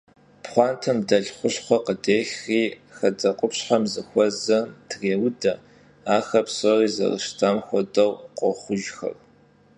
Pxhuantem delh xuşxhuer khıdêxri hedekhupşheu zıxuezem trêude. Axer psori zerışıtam xuedeu khoxhujjxer.